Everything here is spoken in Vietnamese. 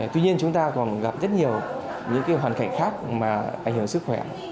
tuy nhiên chúng ta còn gặp rất nhiều những hoàn cảnh khác mà ảnh hưởng sức khỏe